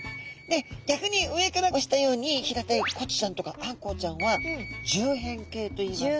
で逆に上からおしたように平たいコチちゃんとかアンコウちゃんは縦扁形といいます。